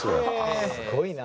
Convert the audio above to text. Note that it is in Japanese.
すごいな。